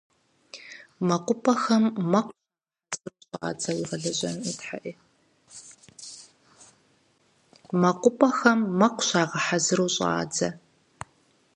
МэкъупӀэхэм мэкъу щагъэхьэзыру щӀадзэ.